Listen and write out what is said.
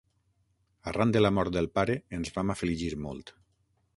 Arran de la mort del pare ens vam afligir molt.